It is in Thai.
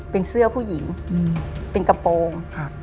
เป็นเสื้อผู้หญิงเป็นกระโปรง